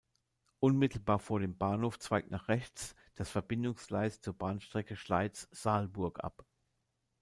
Unmittelbar vor dem Bahnhof zweigt nach rechts das Verbindungsgleis zur Bahnstrecke Schleiz–Saalburg ab.